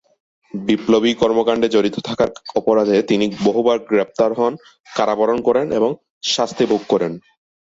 বিপ্লবী কর্মকাণ্ডে জড়িত থাকার অপরাধে তিনি বহুবার গ্রেপ্তার হন, কারাবরণ করেন এবং শাস্তি ভোগ করেন।